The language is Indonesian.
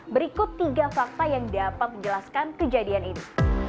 berikut tiga fakta yang dapat menjelaskan kejadian ini